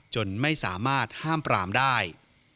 จนไม่สามารถห้ามปรามได้